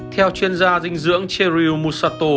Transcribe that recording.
theo chuyên gia dinh dưỡng sheryl musato